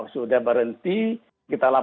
sudah berhenti kita